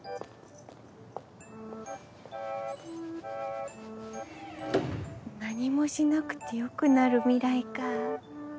ピピッバタン何もしなくてよくなる未来か。